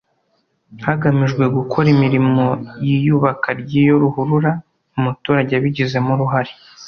hagamijwe gukora imirimo y’iyubaka ry’iyo ruhurura umuturage abigizemo uruhare